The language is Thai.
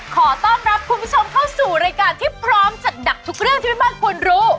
ขอต้อนรับคุณผู้ชมเข้าสู่รายการที่พร้อมจัดหนักทุกเรื่องที่แม่บ้านคุณรู้